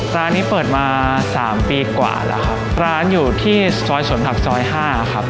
ร้านนี้เปิดมาสามปีกว่าแล้วครับร้านอยู่ที่ซอยสวนผักซอยห้าครับ